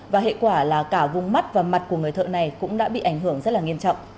và hệ quả là cả vùng mắt và mặt của người thợ này cũng đã bị ảnh hưởng rất là nghiêm trọng